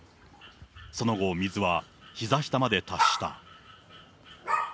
その後、水はひざ下まで達した。